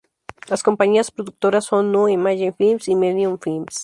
Las compañías productoras son Nu Image Films y Millennium Films.